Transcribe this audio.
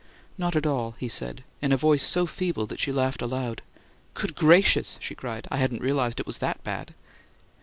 "Not at all," he said in a voice so feeble that she laughed aloud. "Good gracious!" she cried. "I hadn't realized it was THAT bad!"